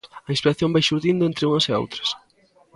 A inspiración vai xurdindo entre unhas e outras.